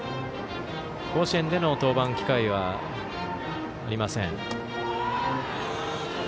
甲子園での登板機会はありません。